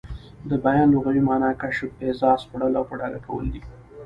د بیان لغوي مانا کشف، ايضاح، سپړل او په ډاګه کول دي.